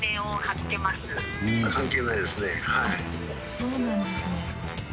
そうなんですね。